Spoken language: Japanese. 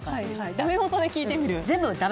ダメ元で聞いてみると。